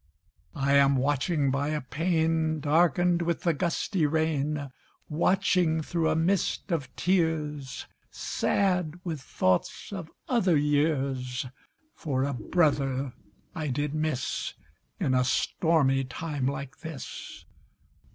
I am watching by a pane Darkened with the gusty rain, Watching, through a mist of tears, Sad with thoughts of other years, For a brother I did miss In a stormy time like this.